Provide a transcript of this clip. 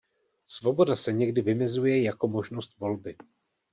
Svoboda se někdy vymezuje jako "možnost volby".